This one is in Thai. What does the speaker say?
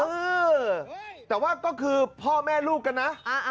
เออแต่ว่าก็คือพ่อแม่ลูกกันนะ